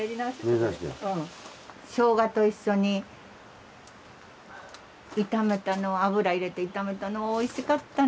ショウガと一緒に炒めたの油入れて炒めたのはおいしかったね。